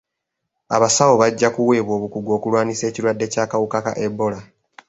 Abasawo bajja kuweebwa obukugu okulwanyisa ekirwadde ky'akawuka ka ebola.